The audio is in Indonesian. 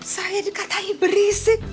saya dikatain berisik